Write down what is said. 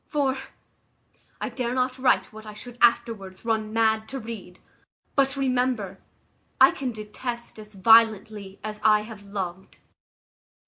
for I dare not write what I should afterwards run mad to read; but remember, I can detest as violently as I have loved."